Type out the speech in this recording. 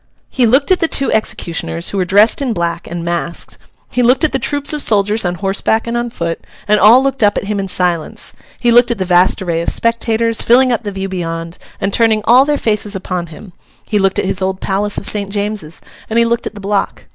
He looked at the two executioners, who were dressed in black and masked; he looked at the troops of soldiers on horseback and on foot, and all looked up at him in silence; he looked at the vast array of spectators, filling up the view beyond, and turning all their faces upon him; he looked at his old Palace of St. James's; and he looked at the block.